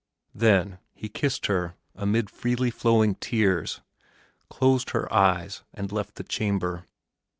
Then he kissed her amid freely flowing tears, closed her eyes, and left the chamber.